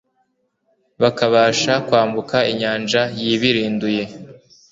bakabasha kwambuka inyanja yibirinduye